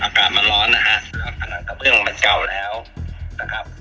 อากาศมันร้อนนะฮะกระเบื้องมันเก่าแล้วนะครับ